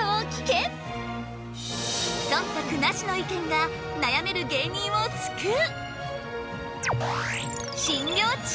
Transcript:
そんたくなしの意見が悩める芸人を救う！